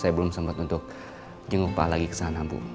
saya belum sempat untuk jenguk pak lagi kesana bu